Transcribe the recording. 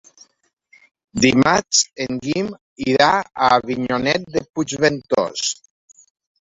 Dimarts en Guim irà a Avinyonet de Puigventós.